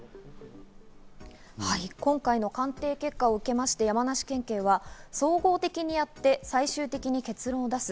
今回の鑑定結果を受けまして山梨県警は、総合的にやって最終的に結論を出す。